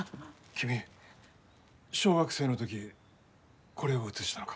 君小学生の時これを写したのか？